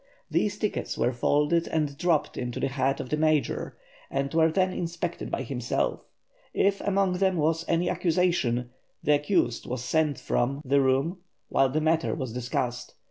These tickets were folded and dropped into the hat of the Major, and were then inspected by himself. If among them was any accusation, the accused was sent from the room while the matter was discussed.